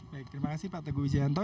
baik terima kasih pak teguh wijanto